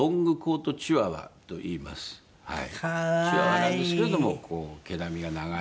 チワワなんですけれどもこう毛並みが長い。